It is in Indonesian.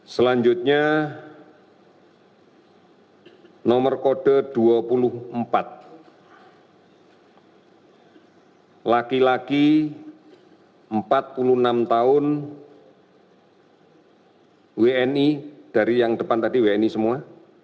selanjutnya nomor kode dua puluh empat laki laki empat puluh enam tahun wni dari yang depan tadi wni semua